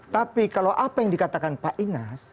tapi kalau apa yang dikatakan pak inas